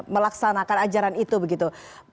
melaksanakan ajaran itu begitu